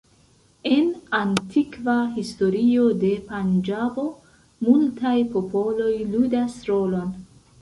En antikva historio de Panĝabo multaj popoloj ludas rolon.